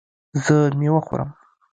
زه میوه خورم